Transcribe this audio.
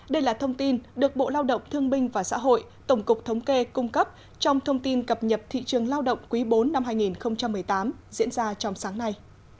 đây là thông tin được bộ lao động thương binh và xã hội tổng cục thống kê cung cấp trong thông tin cập nhập thị trường lao động quý bốn năm hai nghìn một mươi tám diễn ra trong sáng nay